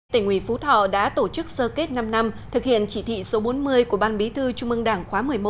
tỉnh ủy phú thọ đã tổ chức sơ kết năm năm thực hiện chỉ thị số bốn mươi của ban bí thư trung mương đảng khóa một mươi một